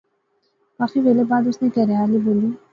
کافی ویلے بعد اس نے کہھرے آلی بولی